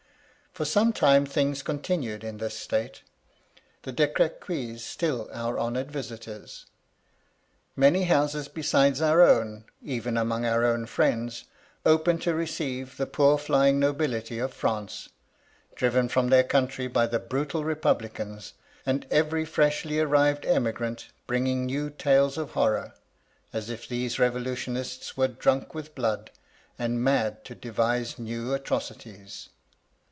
For some time things continued in this state ;— the De Crequys still our honoured visitors, — ^many houses besides our own, even among our own Inends, open to receive the poor flying nobility of France, driven from their country by the brutal repub licans, and every freshly arrived emigrant bringing new tales of horror, as if these revolutionists were drunk with blood, and mad to devise new atrocities.